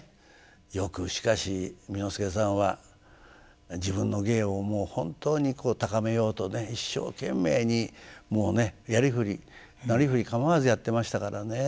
よくしかし簑助さんは自分の芸をもう本当に高めようとね一生懸命にもうねなりふり構わずやってましたからね。